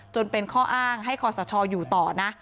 เป็นข้ออ้างให้คอสชอยู่ต่อนะ